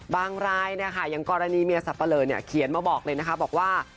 บางรายนะคะอย่างกรณีเมียสับปะเหลอเนี่ยเขียนมาบอกเลยนะคะบอกว่า